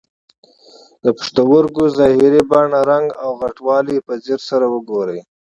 د پښتورګي ظاهري بڼه، رنګ او غټوالی په ځیر سره وګورئ.